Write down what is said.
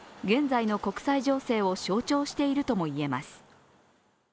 現在の国際情勢を象徴しているともいえます。